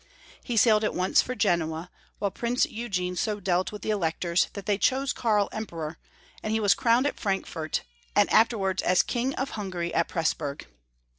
He sailed at once for Genoa, while Prince Eugene so dealt with the Electors that they chose Karl Emperor, and he was crowned at Frankfort, and afterwards as King of Hungary at Presburg.